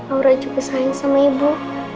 aura cukup sayang sama ibu